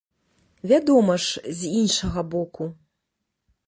Вядома ж, з іншага боку.